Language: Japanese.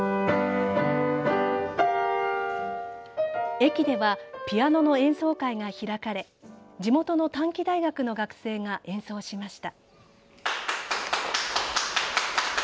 駅ではピアノの演奏会が開かれ地元の短期大学の学生が演奏しました。